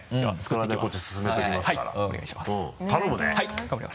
はい。